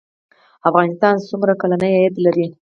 افغانستان څومره کلنی عاید لري؟